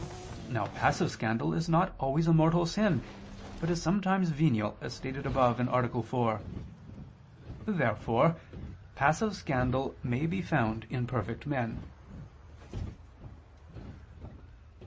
Now passive scandal is not always a mortal sin, but is sometimes venial, as stated above (A. 4). Therefore passive scandal may be found in perfect men.